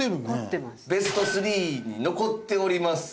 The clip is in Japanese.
ベスト３に残っております。